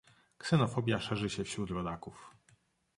Ksenofobia szerzy się wśród rodaków.